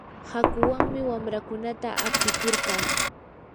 hakuwanmi wamraakunata aprikurqaa.